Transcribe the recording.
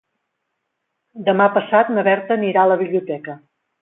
Demà passat na Berta anirà a la biblioteca.